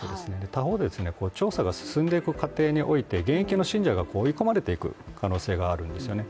他方で、調査が進んでいく過程において現役の信者が追い込まれていく可能性もあるんですよね。